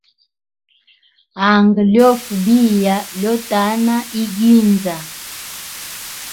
Anga liofa biya, lyotana iginza.